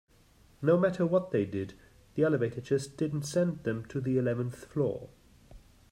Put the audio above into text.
No matter what they did, the elevator just didn't send them to the eleventh floor.